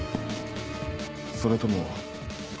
それとも。